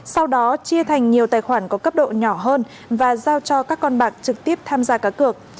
sau đó chia thành nhiều tài khoản có cấp độ nhỏ hơn và giao cho các con bạc trực tiếp tham gia cá cược